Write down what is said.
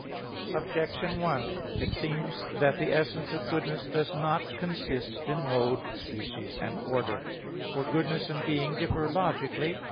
Objection 1: It seems that the essence of goodness does not consist in mode, species and order. For goodness and being differ logically.